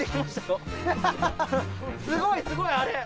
すごいすごいあれ。